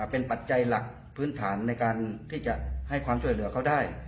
เป็นปัจจัยหลักพื้นฐานในการที่จะให้ความช่วยเหลือเขาได้